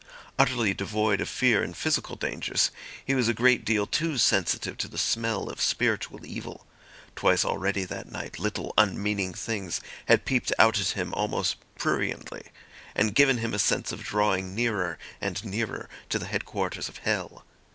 Utterly devoid of fear in physical dangers, he was a great deal too sensitive to the smell of spiritual evil. Twice already that night little unmeaning things had peeped out at him almost pruriently, and given him a sense of drawing nearer and nearer to the head quarters of hell.